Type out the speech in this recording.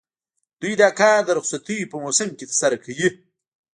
دوی دا کار د رخصتیو په موسم کې ترسره کوي